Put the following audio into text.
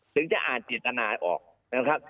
ถึงจะอ่านเจตนาออกนะครับ